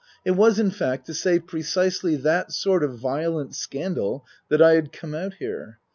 It was, in fact, to save precisely that sort of violent scandal that I had come out here.